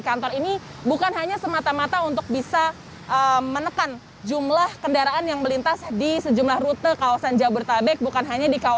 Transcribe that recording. kantor ini bukan hanya semata mata untuk bisa menekan jumlah kendaraan yang melintas di sejumlah